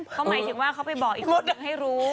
เขาหมายถึงว่าเขาไปบอกอีกคนนึงให้รู้